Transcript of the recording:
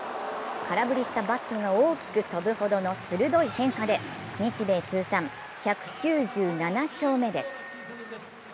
空振りしたバットが大きく飛ぶほどの鋭い変化で日米通算１９７勝目です。